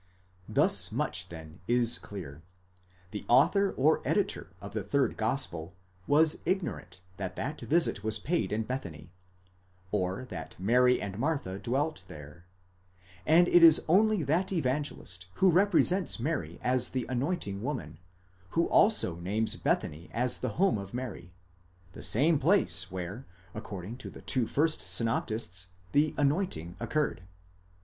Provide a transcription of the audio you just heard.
Thus much then is clear: the author or editor of the third gospel was ignorant that that visit was paid in Bethany, or that Mary and Martha dwelt there, and it is only that Evan gelist who represents Mary as the anointing woman, who also names Bethany as the home of Mary: the same place where, according to the two first synoptists, the anointing occurred.